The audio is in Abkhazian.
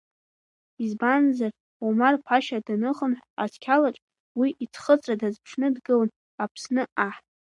Избанзар Омар-ԥашьа даныхынҳә, асқьалаҿ, уи иӡхыҵра дазԥшны, дгылан Аԥсны аҳ.